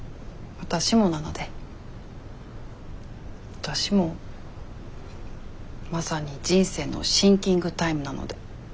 わたしもまさに人生のシンキングタイムなので。